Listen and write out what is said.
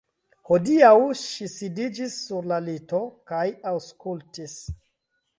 Hodiaŭ ŝi sidiĝis sur la lito kaj aŭskultis.